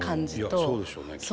いやそうでしょうねきっと。